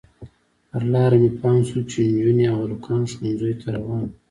پر لاره مې پام شو چې نجونې او هلکان ښوونځیو ته روان وو.